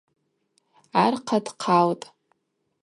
Архъа дхъалтӏ.